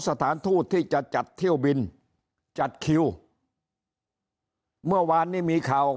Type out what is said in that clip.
สถานทูตที่จะจัดเที่ยวบินจัดคิวเมื่อวานนี้มีข่าว